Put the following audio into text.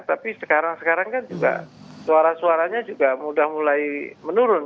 tapi sekarang sekarang kan juga suara suaranya juga sudah mulai menurun